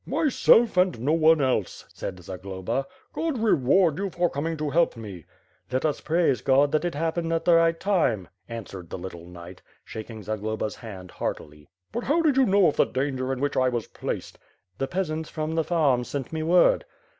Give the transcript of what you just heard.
"Myself, and no one else,'^ said Zagloba. '^God reward you for coming to help me." ^Tjet us praise God that it happened at the right time," answered the little knight, shaking Zagloba^s hand heartily. 32 498 ^ITH FIRE AND SWORD. "But how did you knew of the danger in which I was placed ?'' "The peasants from the farm sent me word."